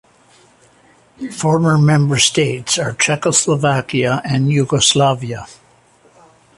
Former member states are Czechoslovakia and Yugoslavia.